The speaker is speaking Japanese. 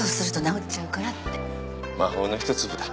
魔法の一粒だ。